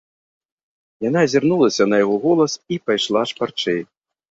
Яна азірнулася на яго голас і пайшла шпарчэй.